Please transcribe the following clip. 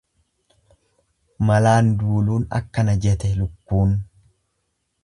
Malaan duuluun akkana jete lukkuun.